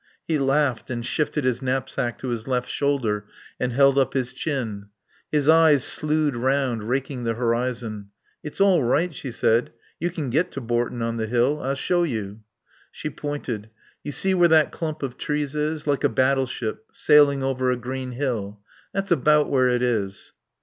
He laughed and shifted his knapsack to his left shoulder, and held up his chin. His eyes slewed round, raking the horizon. "It's all right," she said. "You can get to Bourton on the Hill. I'll show you." She pointed. "You see where that clump of trees is like a battleship, sailing over a green hill. That's about where it is."